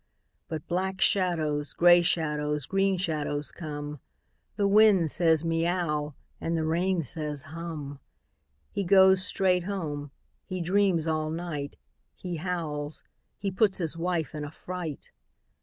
But black shadows, grey shadows, green shadows come. The wind says, " Miau !" and the rain says, « Hum !" He goes straight home. He dreams all night. He howls. He puts his wife in a fright.